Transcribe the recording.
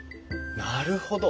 なるほど。